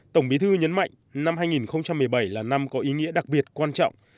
tổng bí thư nhấn mạnh năm hai nghìn một mươi bảy là năm có ý nghĩa đặc biệt quan trọng